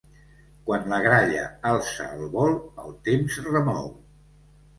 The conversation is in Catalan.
Quan la gralla alça el vol, el temps remou.